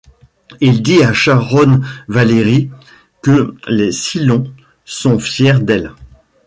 Il dit à Sharon Valerii que les Cylons sont fiers d'elle.